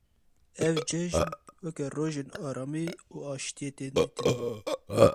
Ev cejn weke rojên aramî û aşîtiyê tên dîtin.